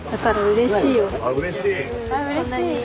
うれしい？